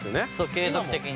継続的に。